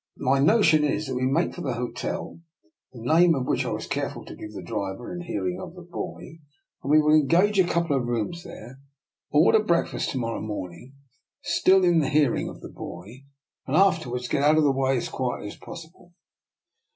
My notion is that we make for the hotel, the name of which I was careful to give the driver in the hearing of the boy. We will engage a couple of rooms there, order breakfast for I40 DR. NIKOLA'S EXPERIMENT. to morrow morning, still in the hearing of the boy, and afterwards get out of the way as quietly as possible."